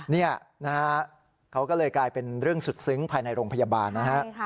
นี่นะฮะเขาก็เลยกลายเป็นเรื่องสุดซึ้งภายในโรงพยาบาลนะฮะ